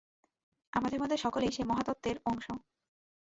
আমাদের মধ্যে সকলেই সেই মহত্তত্ত্বের অংশ।